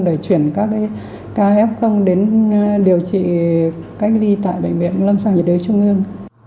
để chuyển các ca f đến điều trị cách ly tại bệnh viện lâm sàng nhiệt đới trung ương